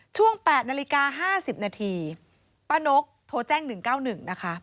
ช่วงแปดนาฬิกาห้าสิบนาทีป้านกโทรแจ้งหนึ่งเก้าหนึ่งนะคะ